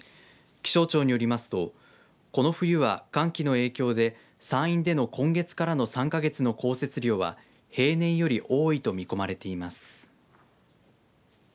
気象庁によりますとこの冬は寒気の影響で山陰での今月からの３か月の降雪量は平年より多いと見込まれています。